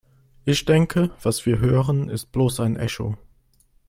Ich denke, was wir hören, ist bloß ein Echo.